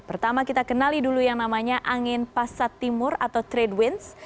pertama kita kenali dulu yang namanya angin pasat timur atau trade winds